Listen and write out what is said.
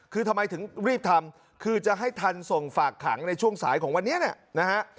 คือทำไมถึงรีบทำคือจะให้ทันส่งฝากขังในช่วงสายของวันนี้เนี่ยนะฮะ